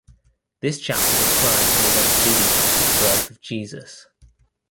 This chapter describes the events leading up to the birth of Jesus.